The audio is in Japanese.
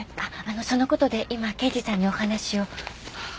その事で今刑事さんにお話を。